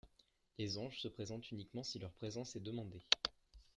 Les anges se présentent uniquement si leur présence est demandée.